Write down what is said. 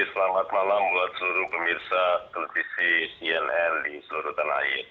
selamat malam buat seluruh pemirsa televisi cnn di seluruh tanah air